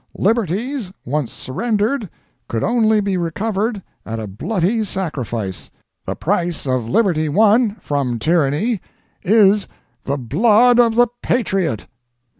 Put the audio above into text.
"Liberties once surrendered could only be recovered at a bloody sacrifice; the price of liberty won from tyranny is the blood of the patriot."